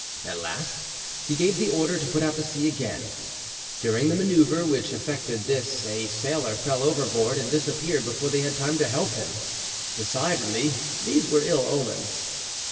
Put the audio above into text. At last he gave the order to put to sea again. During the manoeuvre which effected this a sailor fell overboard and disappeared before they had time to help him. Decidedly these were ill omens.